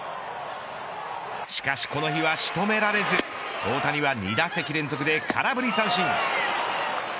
しかしこの日は仕留められず大谷は２打席連続で空振り三振。